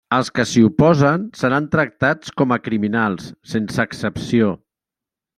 Els qui s'hi oposen seran tractats com a criminals, sense excepció.